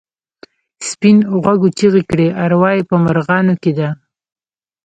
سپین غوږو چیغې کړې اروا یې په مرغانو کې ده.